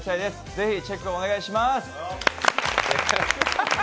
ぜひチェック、お願いします。